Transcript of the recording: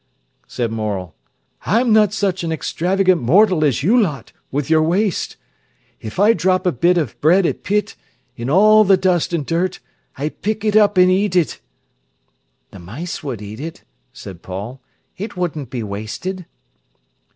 said Morel. "I'm not such a extravagant mortal as you lot, with your waste. If I drop a bit of bread at pit, in all the dust an' dirt, I pick it up an' eat it." "The mice would eat it," said Paul. "It wouldn't be wasted."